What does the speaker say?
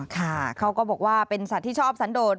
ค่ะเขาก็บอกว่าเป็นสัตว์ที่ชอบสันโดด